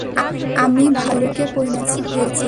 আমি ভালুকে পরিণত হয়েছি।